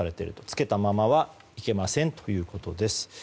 つけたままはいけませんということです。